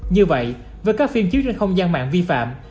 như vậy với các phim chiếu trên không gian mạng vi phạm